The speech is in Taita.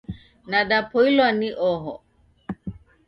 Nadapoilwa ni oho